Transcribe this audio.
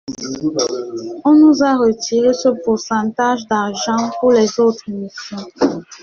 On nous a retiré ce pourcentage d’argent pour les autres missions.